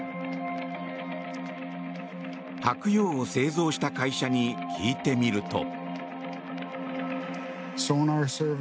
「はくよう」を製造した会社に聞いてみると。